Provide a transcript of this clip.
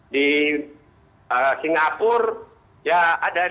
di singapura ya ada